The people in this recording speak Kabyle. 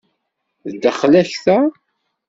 D ddexla-k ta?